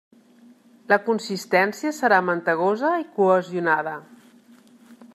La consistència serà mantegosa i cohesionada.